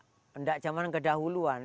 tidak zaman kedahuluan